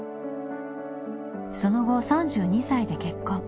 その後３２歳で結婚。